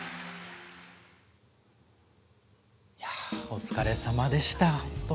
お疲れさまでした。